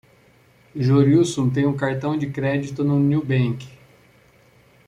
O Jorilson tem um cartão de crédito do Nubank.